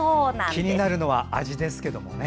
気になるのは味ですけどね。